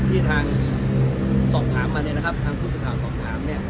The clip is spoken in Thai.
ที่ทางสอบถามมานะครับทางพรุทธถามสอบถามเนี่ย